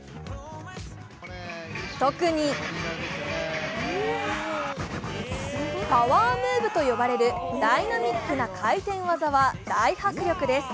特にパワームーブと呼ばれるダイナミックな回転技は大迫力です。